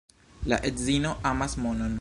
La edzino amas monon.